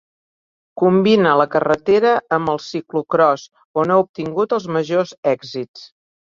Combina la carretera amb el ciclocròs on ha obtingut els majors èxits.